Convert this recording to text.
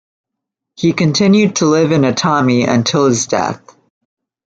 He continued to live in Atami until his death.